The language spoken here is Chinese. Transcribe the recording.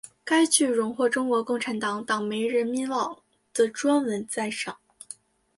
该剧荣获中国共产党党媒人民网的专文赞扬。